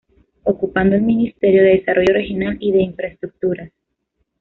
Ocupando el Ministerio de Desarrollo Regional y de Infraestructuras.